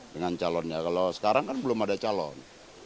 dengan calonnya kalau sekarang kan belum ada calon